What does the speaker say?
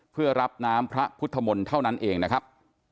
เพื่อรับน้ำพระพุทธมนต์เท่านั้นเองนะครับ